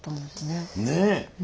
ねえ。